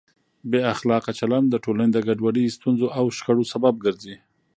بې اخلاقه چلند د ټولنې د ګډوډۍ، ستونزو او شخړو سبب ګرځي.